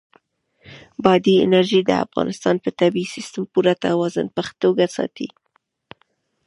بادي انرژي د افغانستان د طبعي سیسټم پوره توازن په ښه توګه ساتي.